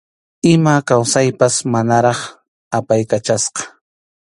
Ima kawsaypas manaraq apaykachasqa.